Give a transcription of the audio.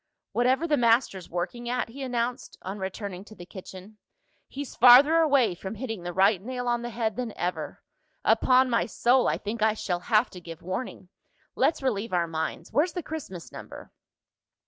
"Whatever the master's working at," he announced, on returning to the kitchen, "he's farther away from hitting the right nail on the head than ever. Upon my soul, I think I shall have to give warning! Let's relieve our minds. Where's the Christmas Number?"